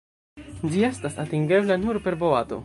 Ĝi estas atingebla nur per boato.